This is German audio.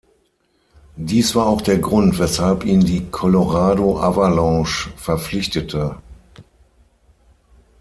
Dies war auch der Grund weshalb ihn die Colorado Avalanche verpflichtete.